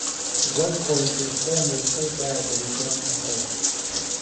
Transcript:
At one point, his form was so bad that he dropped himself.